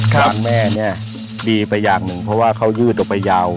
ทางแม่เนี่ยดีไปอย่างหนึ่งเพราะว่าเขายืดออกไปยาว